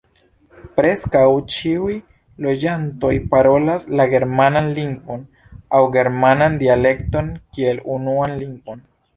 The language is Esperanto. Preskaŭ ĉiuj loĝantoj parolas la germanan lingvon aŭ germanan dialekton kiel unuan lingvon.